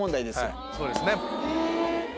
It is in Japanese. そうですね。